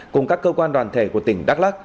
cùng các cơ quan đoàn thể của tỉnh đắk lắc